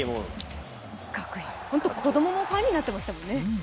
子供もファンになってましたもんね。